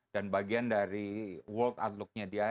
dan bagian dari world outlooknya dia